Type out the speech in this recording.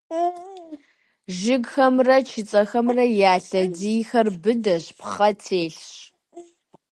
Жыгхэмрэ чыцэхэмрэ я лъэдийхэр быдэщ, пхъэ телъщ.